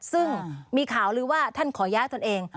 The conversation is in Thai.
ซึ่งมีข่าวลือว่าท่านขอย้ายตนเอง